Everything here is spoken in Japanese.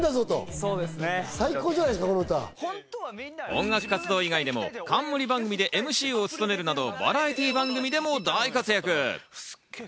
音楽活動以外でも、冠番組でＭＣを務めるなど、バラエティー番組でも大活躍。